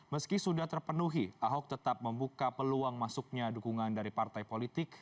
meski sudah terpenuhi ahok tetap membuka peluang masuknya dukungan dari partai politik